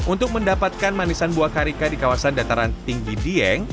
untuk mendapatkan manisan buah karika di kawasan dataran tinggi dieng